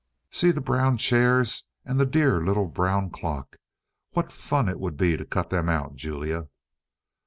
"See the brown chairs and the dear little brown clock. What fun it would be to cut them out, Julia!"